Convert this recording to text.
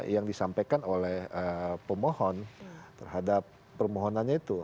yang disampaikan oleh pemohon terhadap permohonannya itu